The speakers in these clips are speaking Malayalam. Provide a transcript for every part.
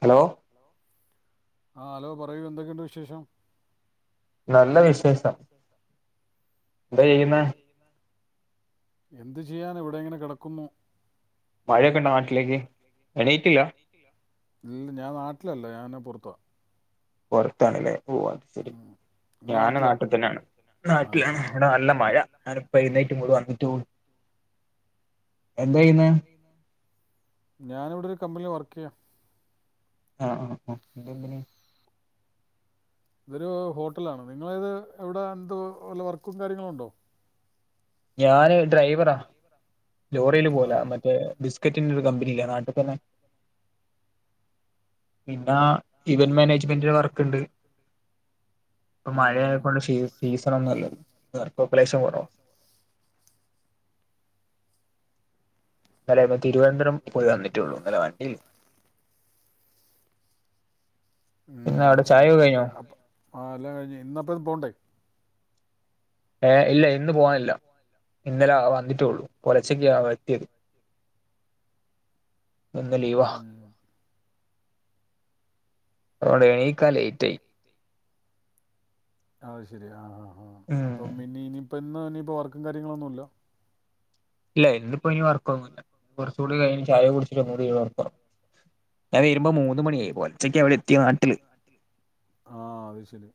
ഹലോ ആഹ് ഹലോ പറയൂ എന്തൊക്കെയുണ്ട് വിശേഷം? നല്ല വിശേഷം ന്താ ചെയ്യുന്നേ എന്ത് ചെയ്യാനാ ഇവിടെ ഇങ്ങനെ കെടക്കുന്നു. മഴയൊക്കൊണ്ടോ നാട്ടിലേക്ക് എണീറ്റില്ലാ ഇല്ല ഞാൻ നാട്ടിലല്ല ഞാൻ പൊർത്താ പൊർത്താണ്ല്ലേ ഉവ്വ് ശരി ഞാന് നാട്ട് തന്നേണ് നാട്ടിലാണ വടെ നല്ല മഴ ഞാനിപ്പോ എഴുന്നേറ്റ് [unintelligible] വന്നിട്ടൊള്ളു എന്തയിന്നേ ഞാൻ ഇവിടെ ഒരു കമ്പനീല് വർക്കെയ്യാ ആഹ് ആഹ് ആഹ് എന്ത് കമ്പനി ഇതൊരു ഹോട്ടലാണ് നിങ്ങളത് എവിടെ എന്ത് വല്ല വർക്കും കാര്യങ്ങളും ഉണ്ടോ? ഞാന് ഡ്രൈവറാ ലോറീല് പോലാ മറ്റേ ബിസ് ക്കറ്റ് ന്റെ ഒരു കമ്പനില്ലേ നാട്ട് തന്നെ പിന്ന ഇവന്റ് മാനേജ്മെന്റിന്റെ വർക്ക് ഇണ്ട് ഇപ്പൊ മഴയ സീസണോന്നും അല്ല [unintelligible] കൊറവാ. ഇന്നലെ തിരുവനന്തരം പോയി വന്നിട്ടൊള്ളൂ ഇന്നലെ വണ്ടി ഉം അത് ശരി അപ്പ ആ എല്ലാം കഴിഞ്ഞ് ഇന്ന് അപ്പ പോണ്ടേ ഏഹ് ഇല്ല ഇന്ന് പോണില്ല. ഇന്നലെ വന്നിട്ടൊള്ളു പൊലച്ചക്ക് എത്തിയത്. ഇന്ന് ലീവാ അതുകൊണ്ട് എണീക്കാ ലേറ്റായി. അത് ശരി ആഹ് ആഹ് അപ്പം ഇനി ഇനിയിപ്പ ഇന്ന് ഇനിയിപ്പോ വർക്കും കാര്യങ്ങളൊന്നുല്ല. ഇല്ല ഇന്ന്പ്പോ ഇനി വർക്കൊന്നുല്ല കൊർച്ചൂടി കഴിഞ്ഞ് ചായ കുടിച്ചിട്ട് ഒന്നും കൂടി പോയി ഒരൊർക്കൊർങ്ങും. ഞാൻ വരുമ്പോ മൂന്ന് മണിയായി പൊൽച്ചക്ക് ഇവടെ എത്തിയ നാട്ടില് ആഹ് അത് ശരി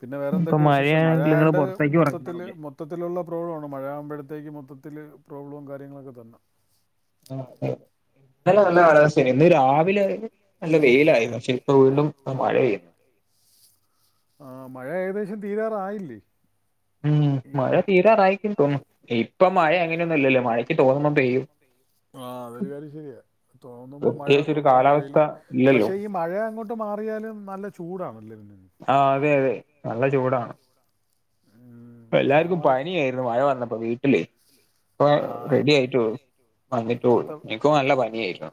പിന്നെ വേറെന്തൊക്കെയെ വിശേഷം മഴയോണ്ട് മൊത്തത്തില് മൊ മൊത്തത്തിലുള്ള പ്രോബ്ലമാണ് മഴയാകുമ്പഴത്തേക്കും മൊത്തത്തിൽ പ്രോബ്ലം കാര്യങ്ങളൊക്കെ തന്നെ ആഹ് ഇന്നലെ നല്ല കാലാവസ്ഥേനി ഇന്ന് രാവിലെ നല്ല വെയിലായി പക്ഷെ ഇപ്പൊവീണ്ടും മഴെയ്യുന്നു ആ മഴ ഏകദേശം തീരാറായില്ലേ ഉം മഴ തീരാറായിക്ണ് തോന്നും ഇപ്പം മഴ അങ്ങനെയൊന്നും അല്ലല്ലോ മഴയ്ക്ക് തോന്നുമ്പോ പെയ്യും ആഹ അതൊരു കാര്യം ശരിയാ തോന്നുമ്പോ മഴ തോന്നുമ്പോ വെയില് പക്ഷെ ഈ മഴ അങ്ങോട്ട് മാറിയാലും നല്ല ചൂടാണല്ലേ പിന്നെ ആഹ് അതെ അതെ നല്ല ചൂടാണ് എല്ലാർക്കും പനിയായിരുന്നു മഴ വന്നപ്പം വീട്ടില് ഇപ്പോ റെഡി ആയിട്ടൊള്ളു വന്നിട്ടൊള്ളു ഇൻക്കും നല്ല പനിയായിരുന്നു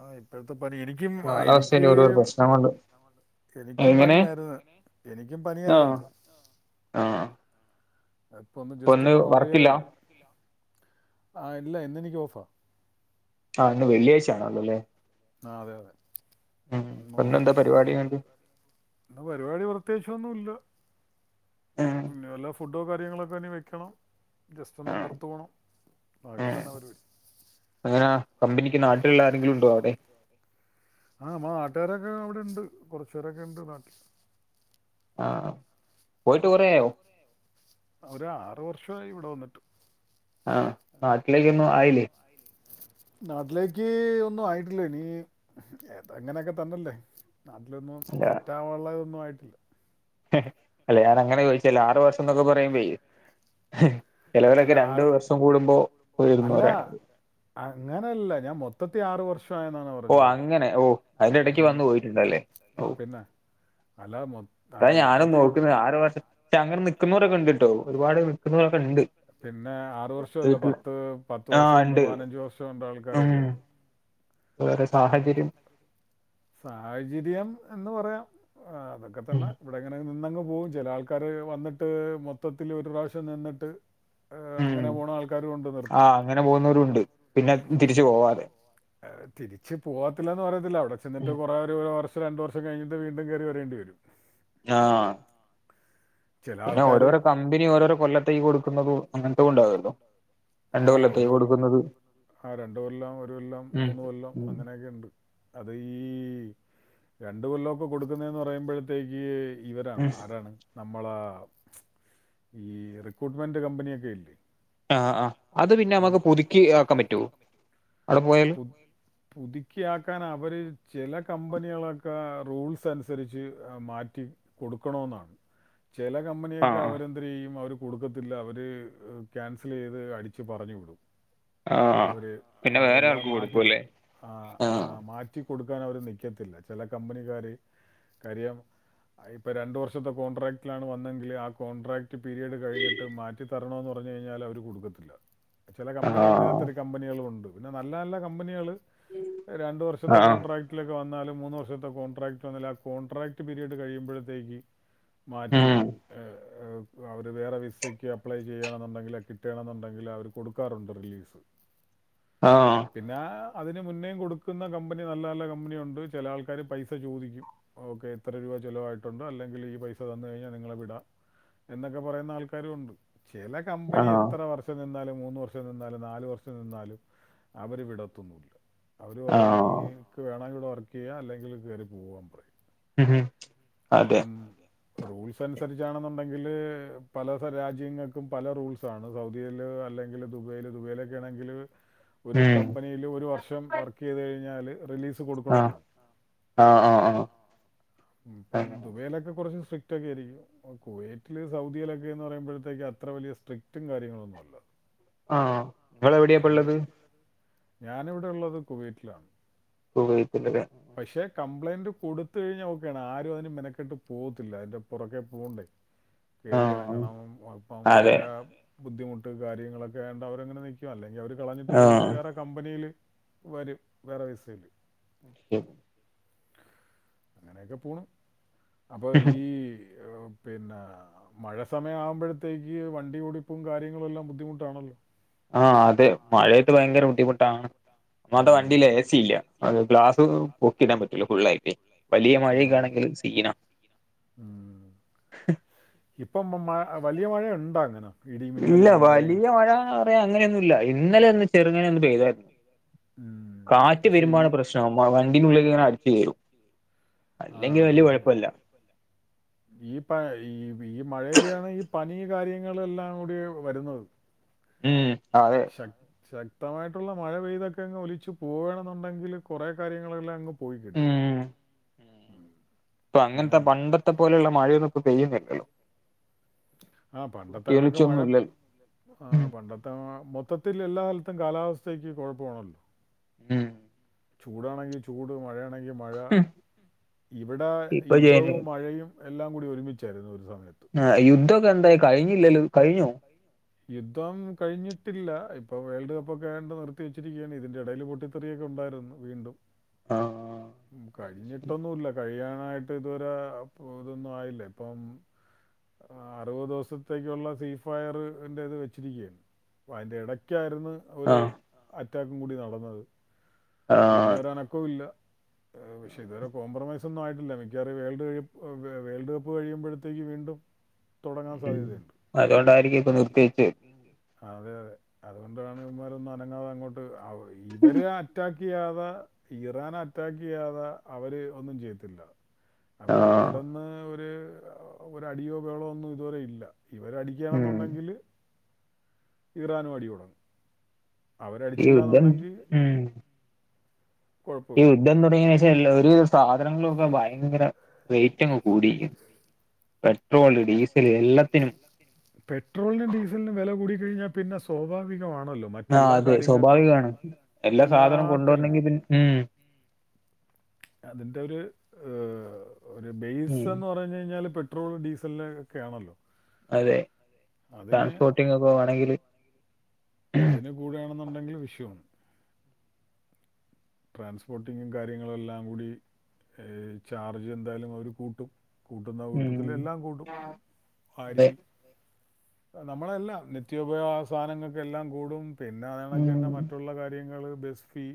ആ ഇപ്പൊഴെത്തെ പനി എനിക്കും എനിക്ക് എനിക്കും പനിയായിരുന്നു എനിക്കും പനിയായിരുന്നു ആഹ് ഇപ്പൊ ഒന്ന് ജസ്റ്റ് ഒന്ന് മാറിയതേ ഒള്ളു ആഹ് ഇല്ല ഇന്നെനിക്ക് ഓഫാ ആ അതെ അതെ ഉം പിന്നെ എന്താ പരിപാടഇങ്ങട്ട് ഇന്ന് പരിപാടി പ്രത്യേകിച്ചൊന്നുല്ല പിന്നെ വല്ല ഫുഡോ കാര്യങ്ങളൊക്കെ ഇനി വെക്കണം ജസ്റ്റ് ഒന്ന് പുറത്ത് പോണം അതൊക്കെ തന്നെ പരി അങ്ങനാ കമ്പനിക്ക് നാട്ടിലുള്ള ആരെങ്കിലും ഉണ്ടോ അവിടെ ആഹ് അമ്മളാ നാട്ടാരൊക്കെ അവിടെ ഉണ്ട് കുറച്ച് പേരൊക്കെ ഉണ്ട് നാട്ടിൽ ആഹ് പോയിട്ട് കുറേ ആയോ ഒര് ആറ് വർഷായി ഇവിടെ വന്നിട്ട് ആഹ് ബാക്കിലേക്കൊന്നും ആയിലേ നാട്ടിലേക്ക് ഒന്നും ആയിട്ടില്ല ഇനീ ത അങ്ങനെയൊക്കെ തെന്നല്ലേ നാട്ടിലൊന്നും സെറ്റാവാനുള്ളതൊന്നും ആയിട്ടില്ല അല്ല ഞാൻ അങ്ങനെ ചോയിച്ചല്ല ആറു വർഷം എന്നൊക്കെ പറയുമ്പയേ ഹ് ചെലോലൊക്കെ രണ്ടു വർഷം കൂടുമ്പോ പോയിരുന്നവരാണ് അങ്ങനെല്ല ഞാൻ മൊത്തത്തി ആറ് വർഷം ഓ അങ്ങനെ ഓ അയിന്റെടക്ക് വന്ന് പോയിട്ടുണ്ടാവുല്ലേ ഓ അതാ ഞാനുംനോക്കുന്നെ ആറ് വർഷം പക്ഷെ അങ്ങനെ നിക്കുന്നോരൊക്കെ ഇണ്ട്ട്ടോ ഒരുപാട് ക്ന്നോരൊക്കെണ്ട് പിന്നെ ആറ് വർഷ്വല്ല പത്ത് പത്ത് വർഷം ഉണ്ട് പയിനെഞ്ച് വർഷം ഉണ്ട് ആൾക്കാരൊക്കെ എന്താപ്പം സാഹചര്യം എന്ന് പറയാം അതൊക്കെ തന്നെ ഇവിടെങ്ങനെ നിന്നങ്ങ് പോവും ചില ആൾക്കാര് വന്നിട്ട് മൊത്തത്തില്ൽ ഒരു പ്രാവശ്യം നിന്നിട്ട് ഉം ആ അങ്ങനെ പോകുന്നവരുണ്ട് പിന്നെ തിരിച്ച പോവാതെ ഏഹ് തിരിച്ച് പോവത്തില്ലാന്ന് പറയത്തില്ല അവിടെ ചെന്നിട്ട് കുറേ ഒരുര വർഷം രണ്ട് വർഷം കഴിഞ്ഞിട്ട് വീണ്ടും കേറി വരേണ്ടി വരും ആഹ് പിന്നെ ഓരോരോ കമ്പനി ഓരോരോ കൊല്ലത്തേ കൊടുക്കുന്നതും അങ്ങന് ത്തെ ഉണ്ടാവൊല്ലോ ആഹ് ഒരു കൊല്ല് ആ രണ്ട് കൊല്ലം ഒരു കൊല്ലം മൂന്ന് കൊല്ലം അങ്ങനെയൊക്കെ ഉണ്ട് അത് ഈ രണ്ട് കൊല്ലൊക്കെ കൊടുക്കുന്നേന്ന് പറയുമ്പൊഴത്തേക്ക് ഇവരാണ് ആരാണ് നമ്മളാ ഈ റിക്രൂട്ട്മെൻറ് കമ്പനിയൊക്കെ ഇല്ലേ ആ ആ അത് പിന്നെ അമ്മക്ക് പുതുക്കി ആക്കാൻ പറ്റോ അവിടെ പോയാൽ ഉം പുതുക്കിയാക്കാൻ അവര് ചെല കമ്പനികളൊക്കെ റൂൾസ് അനുസരിച്ച് മാറ്റി കൊടുക്കണോന്നാണ് ചെലകമ്പനിയൊക്കെ അവര് അത്രയും അവര് കൊടുക്കത്തില്ല അവര് ക്യാൻസൽയ്ത് അടിച്ച് പറഞ്ഞുവിടും അവര് അവരെല്ലാം മാറ്റിക്കൊളും ആ ആ മാ റ്റി കൊടുക്കാൻ അവര് നിക്കത്തില്ല ചെലകമ്പനിക്കാര് കാര്യം ഇപ്പൊ രണ്ടു വർഷത്തെ കോൺട്രാക്ടിലാണ് വന്നെങ്കിൽ ആ കോൺട്രാക്ട് പീരീഡ് കഴിഞ്ഞിട്ട് മാറ്റി റ്റി തരണോന്ന് പർഞ്ഞഴിഞ്ഞാല് അവര് കൊടുക്കത്തില്ല ചെല കമ്പനി അങ്ങനത്തെ ഒരു കമ്പനികളുണ്ട് പിന്നെ നല്ല നല്ലകമ്പനികള് രണ്ട വർഷത്തെ കോൺട്രാക്ട് റ്റിലക്കെ വന്നാലും മൂന്ന് വർഷത്തെ കോൺട്രാക്ട് വന്നാല് ആ കോൺട്രക്റ്റ്പീരീഡ്കഴിയുമ്പഴത്തേക്ക് മാറ്റി ഏ അവര് വേറെ വിസക്ക് അപ്ലൈ ചെയ്യണമെന്നുണ്ടെങ്കിൽ കിട്ടണമെന്നുണ്ടെങ്കിൽ അവർ കൊടുക്കാറുണ്ട് റിലീസ് ആഹ് പിന്നെ അതിന് മുന്നേയും കൊടുക്കുന്നകമ്പനി നല്ല നല്ല കമ്പനിയുണ്ട് ചില ആൾക്കാര് പൈസചോദിക്കും ഓക്കെ എത്ര രൂപ ചിലവായിട്ടുണ്ട് അല്ലെങ്കിൽ ഈ പൈസ തന്നകഴിഞ്ഞാൽ നിങ്ങളെ വിടാം എന്നൊക്കെ പറയുന്ന ആൾക്കാരുണ്ട് ചില കമ്പനി എത്ര വർഷം നിന്നാലും മൂന്ന് വർഷം നിന്നാലും നാല് വർഷംനിന്നാലും അവര് വിടത്തൊന്നില്ല അവര് പറയും നീക്ക് വേണങ്കി ഇവടെ വർക്ക് കെയ്യ അല്ലെങ്കിൽ കേറി പോവാൻപറയും അപ്പം റൂൾസ് അനുസരിച്ചാണെന്നുണ്ടെങ്കില് പല രാജ്യങ്ങൾക്കും പല റൂൾസാണ് ഒ സൗദിയിൽ അല്ലെങ്കിൽ ദുബൈൽ ദുബൈയിലൊക്കെ ആണെങ്കിൽ ഒരു കമ്പനീല് ഒരുവർഷം വർക്ക്ചെയ്ത് കഴിഞ്ഞാല് റിലീസ് ട്ട് കൊടുക്കോണൊന്ന അ ആഹ് ആഹ് ഇപ്പം ദുബയിലൊക്കെ കുറച്ച് സ്ട്രിക്റ്റ്ക്കെയിരിക്കും കുവൈറ്റില് സൗദിയിലൊക്കെന്ന് പറയുമ്പോഴത്തേക്ക് അത്ര വലിയ സ്ട്രിക്റ്റും കാര്യങ്ങളുന്നുമല്ല ആഹ് ഇങ്ങൾ എവിടെപ്പള്ളത് ഞാനിവിടെള്ളത് കുവൈറ്റിലാണ് കുവൈത്തില് പക്ഷെ കംപ്ലൈന്റ് കൊടുത്ത് കഴിഞ്ഞാൽ ഓക്കാണ് ആരും അതിന് മെനക്കെട്ട് പോകത്തില്ല അതിന്റെ പുറക്കെ പോകണ്ടേ കേറിഇറങ്ങണം അപ്പം അവര് ബുദ്ധിമുട്ട് കാര്യങ്ങളൊക്കെയാണ്ട് അവരങ്ങെനനിക്ക അല്ലെങ്കി അവര് കളഞ്ഞിട്ട് പോയിട്ട് വേറെ കമ്പനീല് വരും വേറെവിസയിൽ എ അങ്ങനെയൊക്കെപോണു അപ്പൊ ഈ പിന്നെ മഴ സമയവുമ്പഴത്തേക്ക് വണ്ടി ഓടിപ്പും കാര്യങ്ങളുഎല്ലാം ബുദ്ധിമുട്ടാണല്ലോ ആഹ് അതെ മഴയിട്ട് ഭയങ്കര ബുദ്ധിമുട്ടാണ് ഒന്നാമ്മത്തെ വണ്ടിയില് എ സി ഇല്ല ഗ്ലാസ് പൊക്കിടാൻ പറ്റൂല ഫുള്ളായി വലിയ മഴകാണെങ്കിൽ സീന ഉം ഇപ്പം മ്മമ്മ വലിയ മഴ ഉണ്ടോഅങ്ങനെ ഇല്ല വലിയ മഴ ഇവടെ അങ്ങനെയൊന്നുല്ല ഇന്നലെ ഒന്ന് ചെറുങ്ങനെ ഒന്ന് പെയ്തായിരുന്നു കാറ്റ് വരുമ്പോണ് പ്രശ്നം ശ്നം വണ്ടീനുള്ള്ക്ക്ങ്ങെനെ അടച്ച്കേറും ആഹ് അഹ്ശരിയാ ഈ പ ഈ ഈ മഴയിലാണ് ഈ പനി കാര്യങ്ങളെല്ലാ കൂടി വരുന്നത് ഉം അതെ ശ ശക്തമായിട്ടുള്ള മഴ പെയ്തൊക്കെ അങ്ങ് ഒലിച്ച് പോവണെന്നുണ്ടെങ്കിൽ കുറേ കാര്യങ്ങളെല്ലാം അങ്ങ് പോയികിട്ടും ഉം ഇപ്പൊ അങ്ങൻത്തെ പണ്ടത്തെപോലെയുള്ള മഴന്നുപ്പ പെയ്യുന്നില്ലല്ലോ ആ പണ്ടത്തെകണക്ക്‌ മഴ ആ പണ്ടത്തെ മൊ മൊത്തത്തില് എല്ലാ കാൽത്തും കാലാവസ്ഥയ്ക്ക് കുഴപ്പംആണല്ലോ ഉം ചൂടാണെങ്കി ചൂട് മഴയാണെങ്കി മഴ. ഇവിടെ യുദ്ധവും മഴയും എല്ലാം കൂടി ഒരുമിച്ചായിരുന്നു ഒരു സമയ ആഹ് യുദ്ധൊക്കെ എന്തായി, കഴിഞ്ഞില്ലല്ലോ കഴിഞ്ഞോ? യുദ്ധം കഴിഞ്ഞിട്ടില്ല. ഇപ്പം വേൾഡ് കപ്പ് ഒക്കായോണ്ട് നിർത്തി വെച്ചിരിക്കുകയാണ്. ഇതിന്റെ എടയില് പൊട്ടിത്തെറിയൊക്കെ ഉണ്ടായിരുന്നു വീണ്ടും, കഴിഞ്ഞിട്ടൊന്നുല്ല കഴിയാനായിട്ട് ഇതുവരെ ഇതൊന്നും ആയില്ല ഇപ്പം ആഹ് അറുപത് ദിവസത്തേക്കുള്ള സീ ഫയറി ൻ്റേത് വെച്ചിരിക്ക്യാണ്. അപ്പ അയിന്റെ ഇടക്കായിരുന്ന് ഒരു അറ്റാക്കും കൂടി നടന്നത് പിന്നെ ഒരനക്കവും ഇല്ല. പക്ഷെ ഇത് വരെ കോംപ്രമൈസ് സൊന്നും ആയിട്ടില്ല. മിക്കവാറും വേൾഡ് കഴി വേൾഡ് കപ്പ് കഴിയുമ്പഴ്ത്തേക്ക് വീണ്ടും ഉം അതോണ്ടായിരിക്കും ഇപ്പൊ നിർത്തിവെച്ചെ അതെ അതെ. അതുകൊണ്ടാണ് ഇവന്മാരൊന്നും അനങ്ങാതെ അങ്ങോട്ട് അവ് ഇവരെ അറ്റാക്ക യ്യാതെ ഇറാൻ അറ്റാക്ക് ചെയ്യാതെ അവര് ഒന്നും ചെയ്യത്തില്ല. അപ്പ ഈ ഇവിടെന്ന് ഒരു ഒരു അടിയോ ബഹളോ ഒന്നും ഇതുവരെ ഇല്ല ഇവരടിക്കാണെന്നുണ്ടെങ്കിൽ ഇറാനും അടി തുടങ്ങും. അവരടിച്ചില്ലാ ന്നുണ്ടെങ്കിൽ ഉം ഈ യുദ്ധം തുടങ്ങിനേശം എല്ല ഒരുവിധ സാധനങ്ങളും ഒക്കെ ഭയങ്കര റേറ്റങ്ങ് കൂടിയിരിക്കുന്നു പെട്രോള് ഡീസല് എല്ലത്തിനും പെട്രോളിനും ഡീസലിനും വില കൂടി കഴിഞ്ഞാ പിന്നെ സ്വാഭാവികമാണല്ലോ. മറ്റെല്ലാ കാര്യങ്ങൾക്കും എല്ലാത്തിലും കൂടും. അതിന്റെ ഒരു ഒര് ബെയ്സ് എന്ന് പറഞ്ഞു കഴിഞ്ഞാല് പെ ട്രോള് ഡീസല് ന് ഒക്കെ ആണല്ലോ അതെ ട്രാൻസ്പോർട്ടിങ് ഒക്കെ വേണെങ്കിൽ അതിന് കൂടെയാണെന്നുണ്ടെങ്കിൽ വിഷയമാണ് ട്രാൻസ്പോർട്ടിങ്ങും കാര്യങ്ങളു എല്ലാം കൂടി ചാർജ് എന്തായാലും അവർ കൂട്ടും. കൂട്ടുന്ന കൂട്ടത്തില് എല്ലാം കൂടും. അരി, നമ്മളെ എല്ലാം നിത്യോപയോഗ സാധനങ്ങൾക്കെല്ലാം കൂടും. പിന്നെ അത് കണക്കന്നെ മറ്റുള്ള കാര്യങ്ങൾ ബസ് ഫീ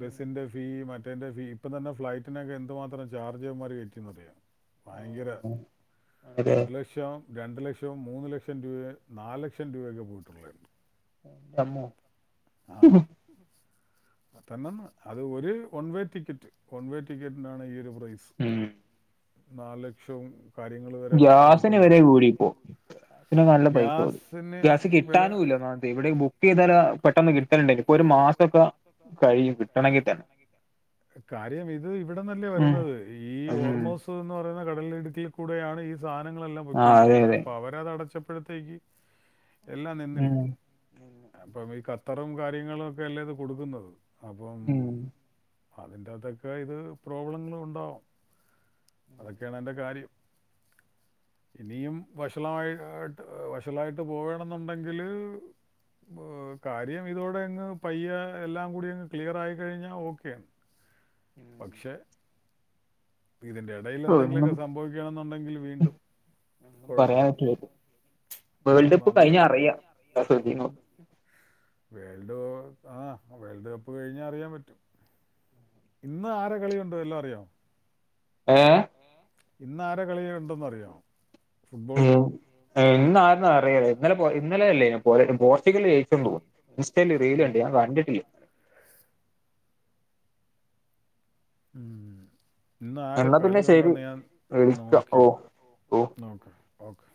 ബസ്സിന്റെ ഫീ മറ്റേന്റെ ഫീ ഇപ്പം തന്നെ ഫ്ലൈറ്റിനൊക്കെ എന്ത് മാത്രം ചാർജാ ഇവന്മാര് കേറ്റിന്നറിയാവോ ഭയങ്കര, ഒരു ല ലക്ഷം രണ്ട് ലക്ഷവും മൂന്ന് ലക്ഷം രൂപയും നാല് ലക്ഷം രൂപയൊക്കെ പോയിട്ടുള്ളത്ണ്ട്. തന്നെ ഉം ഹും തന്നെന്ന്. അത് ഒരു one way ticket one way ടിക്കറ്റിനാണ് ഈ ഒരു പ്രൈസ്. ഉം നാല് ലക്ഷവും കാര്യങ്ങളു ഗ്യാസിന് വരെ കൂടിപ്പോ ഗ്യാസിന് നല്ല പൈസ കൂടി. ഗ്യാസ് കിട്ടാനുംല്ല ഒന്നാമത് എവിടെയും ബു ക്കെയ്താലാ പെട്ടെന്ന് കിട്ടലുണ്ടേനി. ഇപ്പൊ ഒരു മാസൊക്ക കഴിയും കിട്ടണങ്കി തന്നെ കാര്യം ഇത് ഇവിടന്നല്ലേ വരുന്നത് ഈ ഓർമോസ് സോന്ന് പറയുന്ന കടലിടുക്കിൽ കൂടെയാണ് ഈ സാധനങ്ങളെല്ലാം പൊയ്ക്കൊണ്ടിരിക്കുന്നത്. അപ്പൊ അവ രതടച്ചപ്പഴ്ത്തേക്ക് എല്ലാം നിന്നില്ലേ. അപ്പം ഈ ഖത്തറും കാര്യങ്ങളും ഒക്കെ അല്ലേ ഇത് കൊടുക്കുന്നത് അപ്പം അതിൻ്റെ അകത്തൊക്കെ ഇത് പ്രോബ്ലങ്ങളും ഉണ്ടാവും. അതൊക്കെയാണ് അയ്ന്റെ കാര്യം. ഇനിയും വഷളമായി ട്ട് വഷളായിട്ട് പോകാണെന്നുണ്ടെങ്കിൽ കാര്യം ഇതോടെ അങ്ങ് പയ്യെ എല്ലാം കൂടി അങ്ങ് ക്ലിയറായി കഴിഞ്ഞാ ഓക്കെയാണ്. പക്ഷേ ഇതിന്റെ ഇടയിൽ എന്തെങ്കിലുമൊക്കെ സംഭവിക്കണെന്നുണ്ടെങ്കിൽ വീണ്ടും കൊഴപ്പ വേൾഡ് കപ്പ് കഴിഞ്ഞഞ് അറിയാം വേൾഡ് ആ വേൾഡ് കപ്പ് കഴിഞ്ഞാൽ അറിയാൻ പറ്റും ഇന്ന് ആര കളിയുണ്ടോ എല്ലാം അറിയോ? ഏഹ് ഇന്ന് ആര കളികുണ്ടന്ന അറിയോ ഫുട്ബോൾ? ഇന്നായിരന്ന അറിയല്ലേ ഇന്നലെ ഇന്നലെയല്ലേ പോർച്ചുഗല് ജയിച്ചന്ന് തോന്നുന്നു ഇൻസ്റ്റയിൽറീകണ്ടേ ഞൻ [unintelligible] [inaudible] ഇന്ന് ആരെ കളി ഉണ്ടോന്ന് ഞാൻ നോക്കിയില്ല നോക്കാം ഓക്കെ